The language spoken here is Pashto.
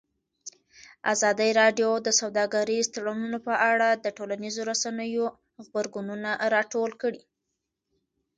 ازادي راډیو د سوداګریز تړونونه په اړه د ټولنیزو رسنیو غبرګونونه راټول کړي.